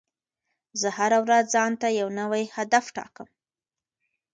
زه هره ورځ ځان ته یو نوی هدف ټاکم.